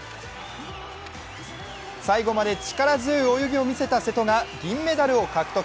最後まで力強い泳ぎを見せた瀬戸が銀メダルを獲得。